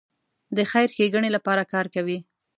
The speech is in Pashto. د خیر ښېګڼې لپاره کار کوي.